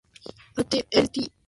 Allen Ltd.